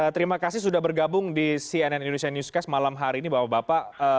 terima kasih sudah bergabung di cnn indonesia newscast malam hari ini bapak bapak